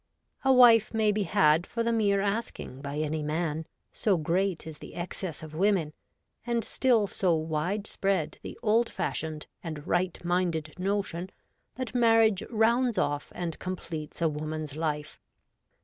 A wife may be had for the mere asking by any man, so great is the excess of women, and still so widespread the old fashioned and right minded notion that marriage rounds off and com pletes a woman's life.